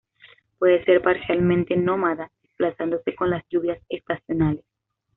Puede ser parcialmente nómada, desplazándose con las lluvias estacionales.